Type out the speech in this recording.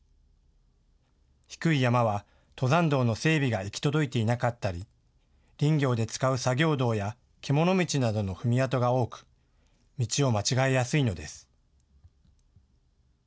低い山は登山道の整備が行き届いていなかったり林業で使う作業道や獣道などの踏み跡が多く道を間違えやすいのです。